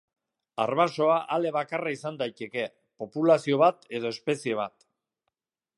Arbasoa ale bakarra izan daiteke, populazio bat edo espezie bat.